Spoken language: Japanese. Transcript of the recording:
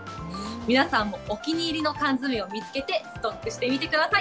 皆さんもお気に入りの缶詰を見つけて、ストックしてみてください。